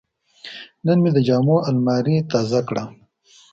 نن مې د جامو الماري تازه کړه.